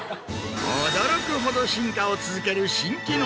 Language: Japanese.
驚くほど進化を続ける。